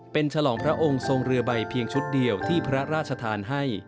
เป็นฉลองพระองค์ทรงเรือใบเพียงชุดเดียวที่พระราชทานให้